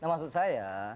nah maksud saya